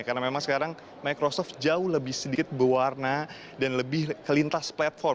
karena memang sekarang microsoft jauh lebih sedikit bewarna dan lebih kelintas platform